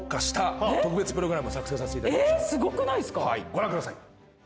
ご覧ください。